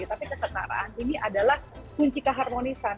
tapi kesetaraan ini adalah kunci keharmonisan